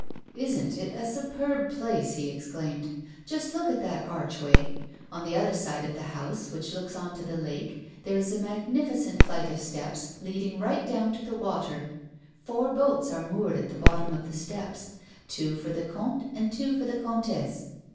"Isn't it a superb place?" he exclaimed. "Just look at that archway ! On the other side of the house, which looks 136 A WOMAN'S LIFE. oa to the lake, there is a magnificent flight of steps leading right down to the water. Four boats are moored at the bottom of the steps, two for the comte and two for the comtesse.